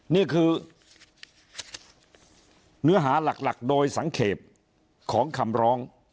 นี่คือเนื้อหาหลักโดยสังเกตของคำร้อง